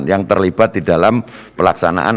yang terlibat di dalam pelaksanaan